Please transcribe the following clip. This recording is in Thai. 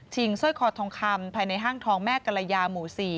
ชิงเศร้าขอทองคำภายในห้างทองแม่กะลายาหมู่๔